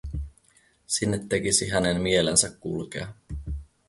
Sinne tekisi hänen mielensä kulkea.